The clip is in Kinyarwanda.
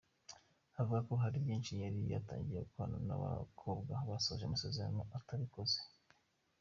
Avuga ko hari byinshi yari yatangiye gukorana n’aba bakobwa basoje amasezerano atabikoze.